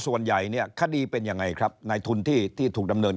ส่วนใหญ่เนี่ยคดีเป็นยังไงครับในทุนที่ที่ถูกดำเนิน